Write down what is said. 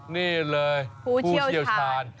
นี่เลยผู้เชี่ยวชาญ